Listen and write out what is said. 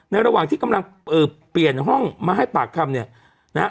ระหว่างที่กำลังเปลี่ยนห้องมาให้ปากคำเนี่ยนะฮะ